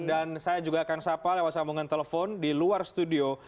dan saya juga akan sapa lewat sambungan telepon di luar studio